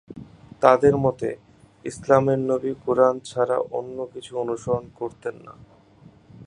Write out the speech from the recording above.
তাদের মতে, ইসলামের নবী কুরআন ছাড়া অন্য কিছু অনুসরণ করতেন না।